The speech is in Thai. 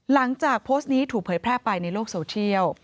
หลังจากโพสต์นี้ถูกเผยแพร่ไปในโลกโซเชียล